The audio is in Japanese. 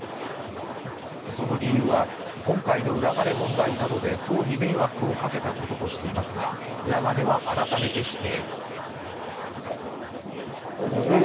その理由は、今回の裏金問題などで党に迷惑をかけたこととしていますが、裏金は改めて否定。